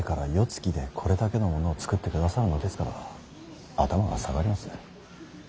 つきでこれだけのものを作ってくださるのですから頭が下がります。